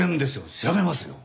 調べますよ。